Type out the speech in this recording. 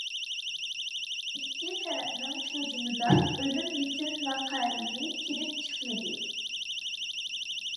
ئىككى تەرەپنىڭ ھۇجۇمىدا ئۆلۈم يېتىم ۋەقەلىرى كېلىپ چىقمىدى.